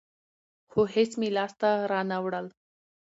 خو هېڅ مې لاس ته رانه وړل.